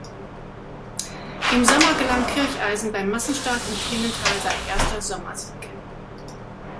Im Sommer gelang Kircheisen beim Massenstart in Klingenthal sein erster Sommer-Sieg.